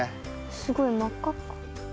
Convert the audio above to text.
すごいまっかっか。